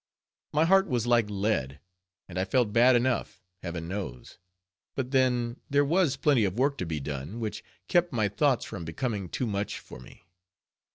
My heart was like lead, and I felt bad enough, Heaven knows; but then, there was plenty of work to be done, which kept my thoughts from becoming too much for me.